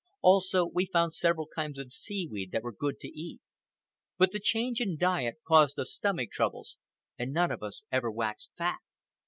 Also, we found several kinds of seaweed that were good to eat. But the change in diet caused us stomach troubles, and none of us ever waxed fat.